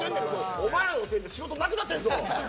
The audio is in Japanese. お前らのせいで仕事なくなってるんやで